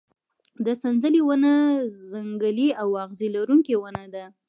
د سنځلې ونه ځنګلي او اغزي لرونکې ونه ده.